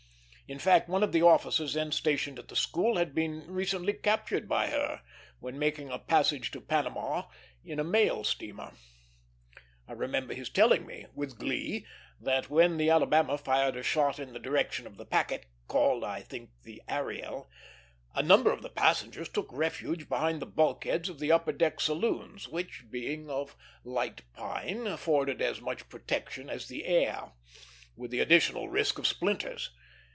In fact, one of the officers then stationed at the school had been recently captured by her, when making a passage to Panama in a mail steamer. I remember his telling me, with glee, that when the Alabama fired a shot in the direction of the packet, called, I think, the Ariel, a number of the passengers took refuge behind the bulkheads of the upper deck saloons, which, being of light pine, afforded as much protection as the air, with the additional risk of splinters.